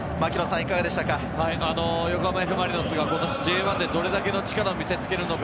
横浜Ｆ・マリノスがＪ１でどれだけの力を見せつけるのか？